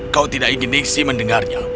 kau tidak ingin nixy mendengarnya